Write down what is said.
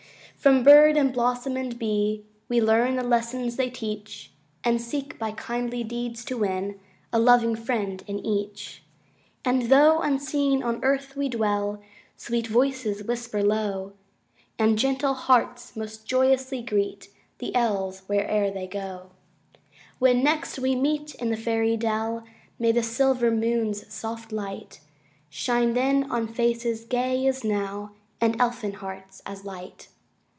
From bird, and blossom, and bee, We learn the lessons they teach; And seek, by kindly deeds, to win A loving friend in each. And though unseen on earth we dwell, Sweet voices whisper low, And gentle hearts most joyously greet The Elves whereâer they go. When next we meet in the Fairy dell, May the silver moonâs soft light Shine then on faces gay as now, And Elfin hearts as light.